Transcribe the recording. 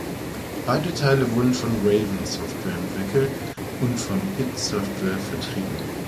Beide Teile wurden von Raven Software entwickelt und von id Software vertrieben.